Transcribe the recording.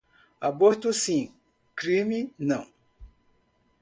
Aborto sim, crime não